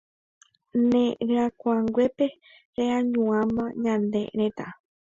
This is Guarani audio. Ne ryakuãnguépe reañuãmbáva ñane retã